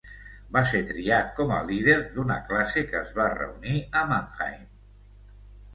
Va ser triat com a líder d'una classe que es va reunir a Manheim.